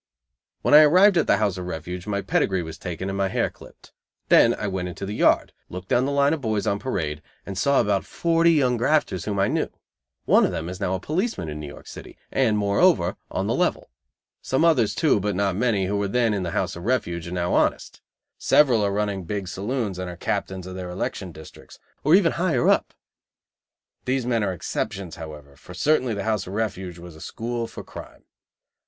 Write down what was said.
When I arrived at the House of Refuge, my pedigree was taken and my hair clipped. Then I went into the yard, looked down the line of boys on parade and saw about forty young grafters whom I knew. One of them is now a policeman in New York City, and, moreover, on the level. Some others, too, but not many, who were then in the House of Refuge, are now honest. Several are running big saloons and are captains of their election districts, or even higher up. These men are exceptions, however, for certainly the House of Refuge was a school for crime.